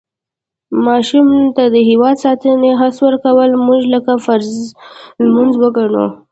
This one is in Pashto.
ماشوم ته د هېواد ساتنې حس ورکول مونږ لکه فرض لمونځ وګڼو.